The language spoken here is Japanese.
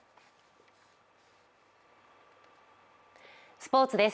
スポーツです。